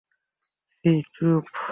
শ্রী, চুপ!